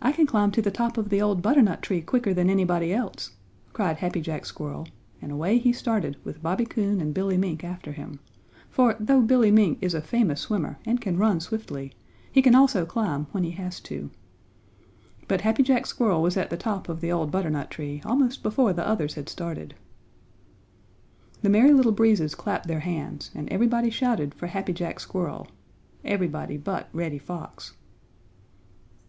"I can climb to the top of the old butternut tree quicker than anybody else," cried Happy Jack Squirrel, and away he started with Bobby Coon and Billy Mink after him, for though Billy Mink is a famous swimmer and can run swiftly, he can also climb when he has to. But Happy Jack Squirrel was at the top of the old butternut tree almost before the others had started. The Merry Little Breezes clapped their hands and everybody shouted for Happy Jack Squirrel, everybody but Reddy Fox.